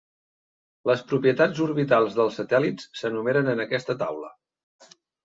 Les propietats orbitals dels satèl·lits s'enumeren en aquesta taula.